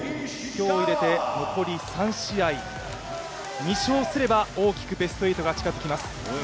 今日入れて、残り３試合、２勝すれば大きくベスト８が近づきます。